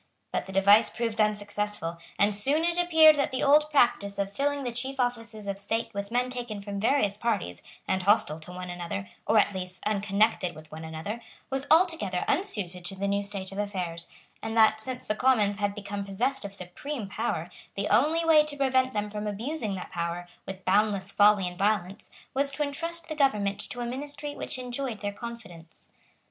But the device proved unsuccessful; and soon it appeared that the old practice of filling the chief offices of state with men taken from various parties, and hostile to one another, or, at least, unconnected with one another, was altogether unsuited to the new state of affairs; and that, since the Commons had become possessed of supreme power, the only way to prevent them from abusing that power with boundless folly and violence was to intrust the government to a ministry which enjoyed their confidence.